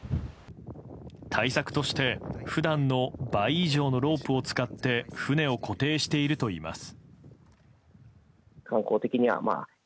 対策として普段の倍以上のロープを使って船を固定しているといいます。